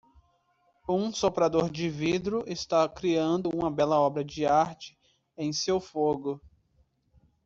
Um soprador de vidro está criando uma bela obra de arte em seu fogo.